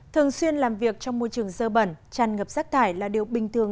thường xuyên làm việc trong môi trường dơ bẩn tràn ngập rác thải là điều bình thường